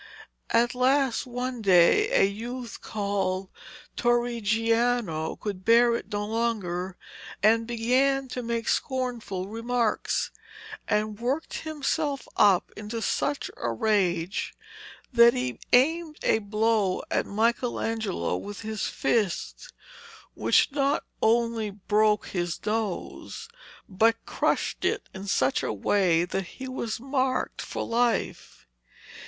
At last, one day, a youth called Torriggiano could bear it no longer, and began to make scornful remarks, and worked himself up into such a rage that he aimed a blow at Michelangelo with his fist, which not only broke his nose but crushed it in such a way that he was marked for life.